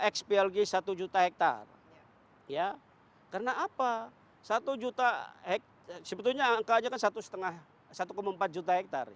xplg satu juta hektare ya karena apa satu juta hek sebetulnya angkanya kan satu setengah satu empat juta hektare